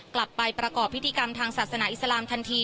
กลับไปประกอบพิธีกรรมทางศาสนาอิสลามทันที